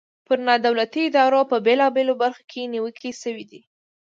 پر نا دولتي ادارو په بیلابیلو برخو کې نیوکې شوي دي.